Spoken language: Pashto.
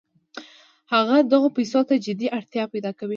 هغه دغو پیسو ته جدي اړتیا پیدا کوي